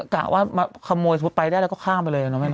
กล่าวว่ามาขโมยสมุดไปได้แล้วก็ข้ามไปเลยอ่ะเนอะไม่น้อย